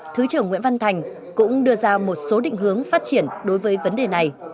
thứ trưởng nguyễn văn thành cũng đưa ra một số định hướng phát triển đối với vấn đề này